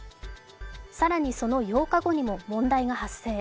更にその８日後にも問題が発生。